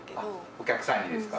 お客さんにですか？